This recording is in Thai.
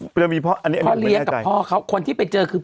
พ่อเลี้ยงกับพ่อเขาคนที่ไปเจอคือพ่อ